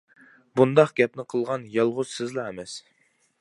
-بۇنداق گەپنى قىلغان يالغۇز سىزلا ئەمەس.